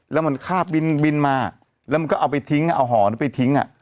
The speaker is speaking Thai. แล้วมันคาบบินมาแล้วมันก็เอาไปทิ้งเอาห่อนั้นไปทิ้ง